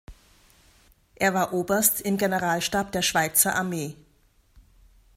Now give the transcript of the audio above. Er war Oberst im Generalstab der Schweizer Armee.